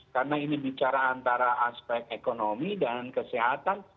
karena ini bicara antara aspek ekonomi dan kesehatan